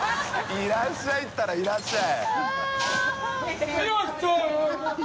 いらっしゃいったらいらっしゃい」